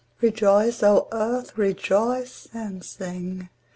Rejoice, O Earth! Rejoice and sing!